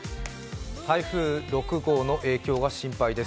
台風６号の影響が心配です。